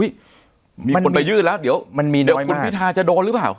มีคนไปยื่นแล้วเดี๋ยวคุณพิทาจะโดนหรือเปล่า